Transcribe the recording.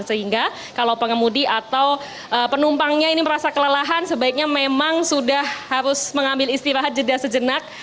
sehingga kalau pengemudi atau penumpangnya ini merasa kelelahan sebaiknya memang sudah harus mengambil istirahat jeda sejenak